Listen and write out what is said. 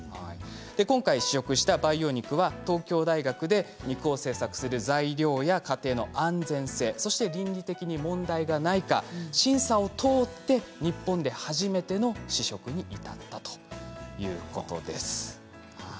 今回、試食した培養肉は東京大学で肉や製作をする材料や過程の安全性や倫理的に問題がないか審査を通って日本で初めての試食に至ったということです。